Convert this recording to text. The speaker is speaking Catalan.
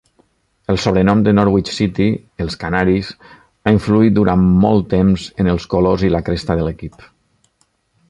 El sobrenom del Norwich City, "Els canaris", ha influït durant molt temps en els colors i la cresta de l'equip.